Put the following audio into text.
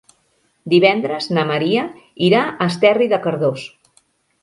Divendres na Maria irà a Esterri de Cardós.